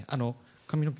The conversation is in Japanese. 髪の毛